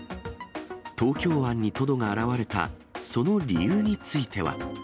東京湾にトドが現れた、その理由については。